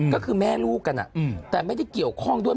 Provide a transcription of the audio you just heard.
ก็คือแม่ลูกกันแต่ไม่ได้เกี่ยวข้องด้วย